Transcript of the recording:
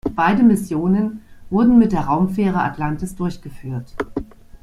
Beide Missionen wurden mit der Raumfähre Atlantis durchgeführt.